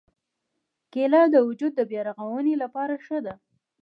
کېله د وجود د بیا رغونې لپاره ښه ده.